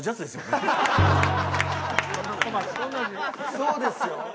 そうですよ。